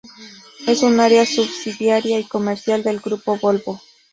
Es un área subsidiaria y comercial del Grupo Volvo.